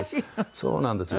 そうなんですよ。